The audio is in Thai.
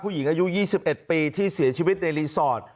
อายุ๒๑ปีที่เสียชีวิตในรีสอร์ท